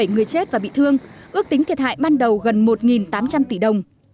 bảy người chết và bị thương ước tính thiệt hại ban đầu gần một tám trăm linh tỷ đồng